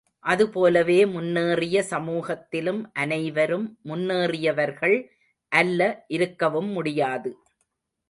அது போலவே முன்னேறிய சமூகத்திலும் அனைவரும் முன்னேறியவர்கள் அல்ல இருக்கவும் முடியாது.